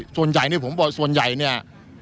ส่วนใหญ่นี่ผมบอกส่วนใหญ่เนี่ย